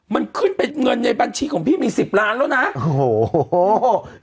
มันขึ้นเป็นเงินในบัญชีของพี่มีสิบล้านแล้วนะโอ้โห